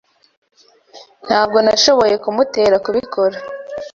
Ntabwo nashoboye kumutera kubikora.